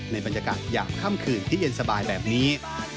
บรรยากาศยามค่ำคืนที่เย็นสบายแบบนี้